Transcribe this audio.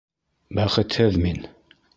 Бәхетһеҙ мин!..